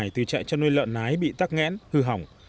nước thải từ trại chăn nuôi lợn nái bị tắc nghẽn hư hỏng